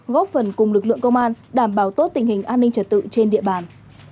góp phần cùng lực lượng công an đảm bảo tốt tình hình an ninh trật tự trên địa bàn